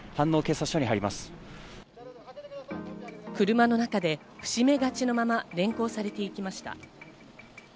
車の中で伏し目がちのまま連行されていきました。